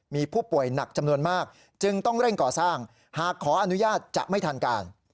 มีผู้ป่วยหนักจำนวนมากจึงต้องเร่งก่อสร้างหากขออนุญาตจะไม่ทันการ